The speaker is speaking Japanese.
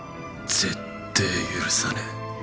絶対許さねえ。